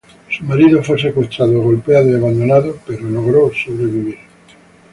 Su marido fue secuestrado, golpeado y abandonado, pero logró sobrevivir.